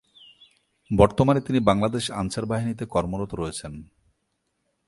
বর্তমানে তিনি বাংলাদেশ আনসার বাহিনীতে কর্মরত রয়েছেন।